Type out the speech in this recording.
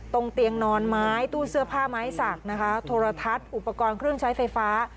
เตียงนอนไม้ตู้เสื้อผ้าไม้สักนะคะโทรทัศน์อุปกรณ์เครื่องใช้ไฟฟ้า